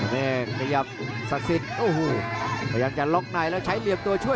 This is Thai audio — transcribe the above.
นี่ขยับศักดิ์สิทธิ์โอ้โหพยายามจะล็อกในแล้วใช้เหลี่ยมตัวช่วย